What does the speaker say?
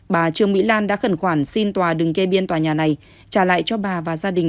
bà trương mỹ lan đã khẩn khoản xin tòa đừng kê biên tòa nhà này trả lại cho bà và gia đình